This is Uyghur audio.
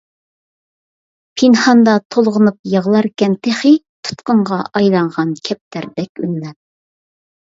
پىنھاندا تولغىنىپ يىغلاركەن تېخى، تۇتقۇنغا ئايلانغان كەپتەردەك ئۈنلەپ.